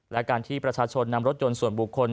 และการที่ประชาชนนำรถยนต์ส่วนบุคคล